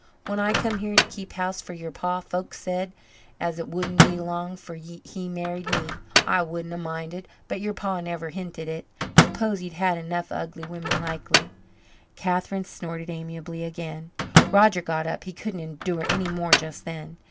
When I come here to keep house for yer pa, folks said as it wouldn't be long 'fore he married me. I wouldn't a minded. But yer pa never hinted it. S'pose he'd had enough of ugly women likely." Catherine snorted amiably again. Roger got up he couldn't endure any more just then.